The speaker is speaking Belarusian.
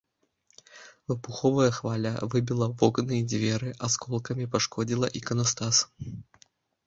Выбуховая хваля выбіла вокны і дзверы, асколкамі пашкодзіла іканастас.